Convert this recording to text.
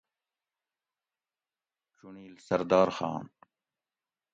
چُنڑیل : سردار خان